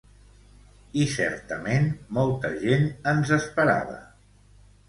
I certament molta gent ens esperava.